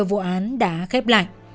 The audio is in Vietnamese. hồ sơ vụ án đã khép lại